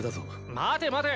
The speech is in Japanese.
待て待て。